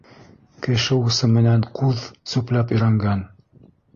Кеше усы менән ҡуҙ сүпләп өйрәнгән.